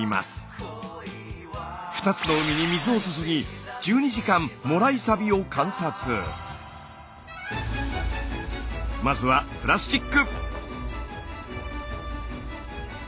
２つの海に水を注ぎ１２時間まずはプラスチック。